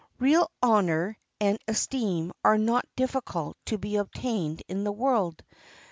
Real honor and esteem are not difficult to be obtained in the world.